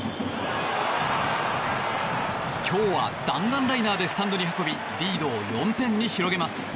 今日は弾丸ライナーでスタンドに運びリードを４点に広げます。